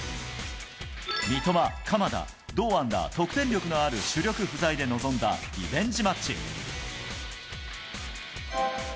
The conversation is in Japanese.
三笘、鎌田、堂安ら、得点力のある主力不在で臨んだリベンジマッチ。